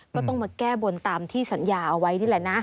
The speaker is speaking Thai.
ก็ต้องมาแก้บนตามที่สัญญาเอาไว้นี่แหละนะ